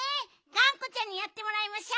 がんこちゃんにやってもらいましょう。